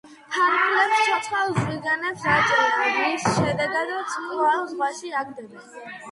ფარფლებს ცოცხალ ზვიგენებს აჭრიან, რის შემდეგაც კვლავ ზღვაში აგდებენ.